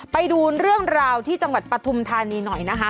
ไปดูเรื่องราวที่จังหวัดปฐุมธานีหน่อยนะคะ